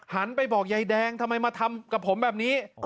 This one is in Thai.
ไปบอกยายแดงทำไมมาทำกับผมแบบนี้